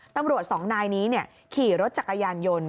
สองนายนี้ขี่รถจักรยานยนต์